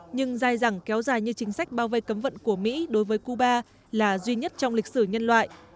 nhưng dài dẳng kéo dài như chính sách bao vây cấm vận của mỹ đối với cuba là duy nhất trong lịch sử nhân loại